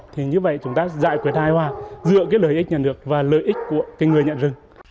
thì như vậy chúng ta giải quyết hai hoa dựa lợi ích nhận được và lợi ích của người nhận rừng